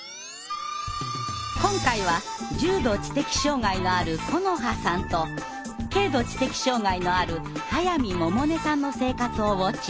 今回は重度知的障害のあるこのはさんと軽度知的障害のある速水萌々音さんの生活をウォッチング。